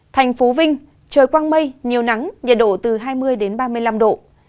thành phố vinh trời quang mây nhiều nắng nhiệt độ từ hai mươi ba mươi năm độ